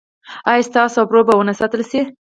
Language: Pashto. ایا ستاسو ابرو به و نه ساتل شي؟